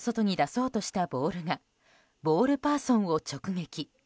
コートの外に出そうとしたボールがボールパーソンを直撃。